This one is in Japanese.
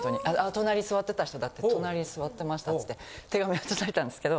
隣に座ってた人だって隣に座ってましたつって手紙渡されたんですけど。